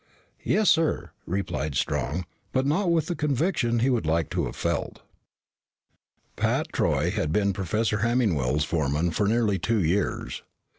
"Yes, sir," replied Strong, but not with the conviction he would like to have felt. Pat Troy had been Professor Hemmingwell's foreman for nearly two years.